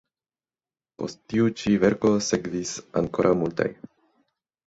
Post tiu ĉi verko sekvis ankoraŭ multaj.